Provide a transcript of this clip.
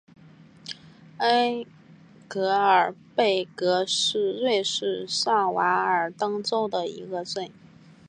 恩格尔贝格是瑞士上瓦尔登州的一个镇。